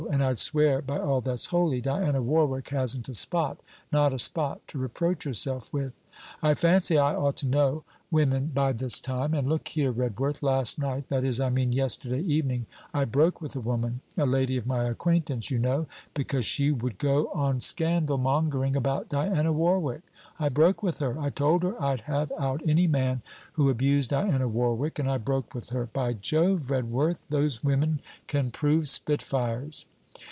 And I'd swear, by all that's holy, Diana Warwick hasn't a spot, not a spot, to reproach herself with. I fancy I ought to know women by this time. And look here, Redworth, last night that is, I mean yesterday evening, I broke with a woman a lady of my acquaintance, you know, because she would go on scandal mongering about Diana Warwick. I broke with her. I told her I'd have out any man who abused Diana Warwick, and I broke with her. By Jove! Redworth, those women can prove spitfires.